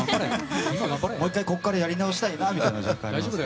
もう１回ここからやり直したいなと。